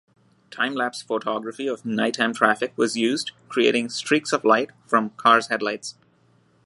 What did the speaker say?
Time-lapse photography of night-time traffic was used, creating streaks of light from cars' headlights.